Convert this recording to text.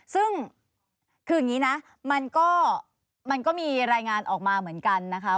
ซึ่งคืออย่างนี้นะมันก็มีรายงานออกมาเหมือนกันนะคะ